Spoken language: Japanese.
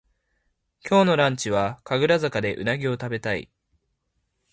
今日のランチは神楽坂でうなぎをたべたい